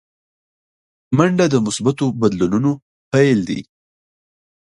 منډه د مثبتو بدلونونو پیل دی